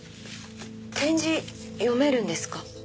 点字読めるんですか？